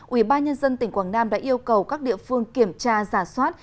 ubnd tỉnh quảng nam đã yêu cầu các địa phương kiểm tra giả soát